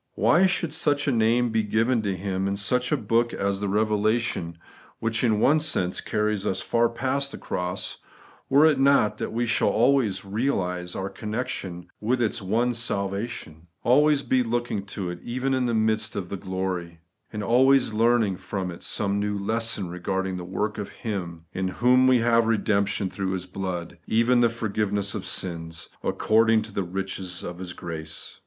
Why should such a name be given to Him in such a book as the Eevelation, which in one sense carries us far past the cross, were it not that we shall always realize our connection with its one salva tion ; always be looking to it even in the midst of the glory; and always learning from it some new lesson regarding the work of Him ' in whom we have redemption through His blood, even the for giveness of sins, according to the riches of His grace